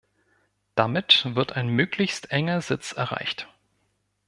Damit wird ein möglichst enger Sitz erreicht.